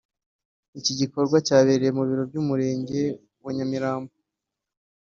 Icyi gikorwa cyabereye ku biro by’umurenge wa Nyamirambo